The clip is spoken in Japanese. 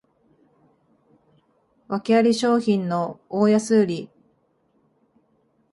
わけあり商品の大安売り